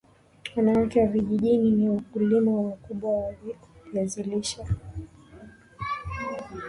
wanawake wa vijijini ni wakulima wa wakubwa wa viazi lishe